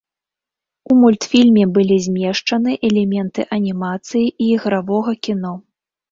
У мультфільме былі змешчаны элементы анімацыі і ігравога кіно.